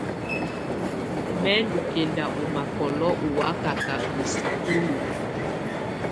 Mɛ̀ ndù kɛnda ɔ̀ makɔlɔ ù wakaka i sukulu.